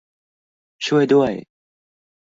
ช่วยด้วย